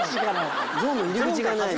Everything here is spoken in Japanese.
ゾーンの入り口がないのよ。